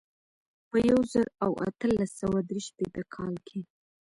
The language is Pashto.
په یو زر او اتلس سوه درې شپېته کال کې.